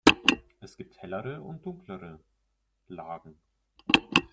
Es gibt hellere und dunklere Lagen.